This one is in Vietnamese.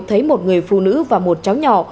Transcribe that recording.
thấy một người phụ nữ và một cháu nhỏ